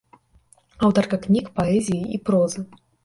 Аўтарка кніг паэзіі і прозы.